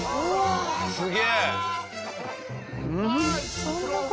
すげえ。